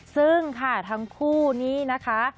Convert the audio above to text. ซึ่งค่ะทั้งคู่นี้นะคะ